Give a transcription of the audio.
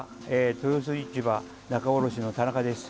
豊洲市場仲卸の田中です。